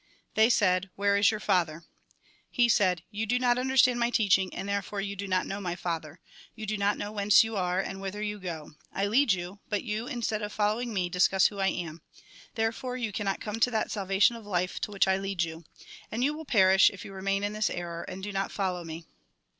They said :" Where is your Father ?" He said :" You do not understand my teaching, and therefore you do not know my Father. You do not know whence you are and whither you go. I lead you, but you, instead of following me, dis cuss who I am. Therefore you. cannot come to that salvation of life to which I lead you. And you will periish, if you remain in this error, and do not follow me."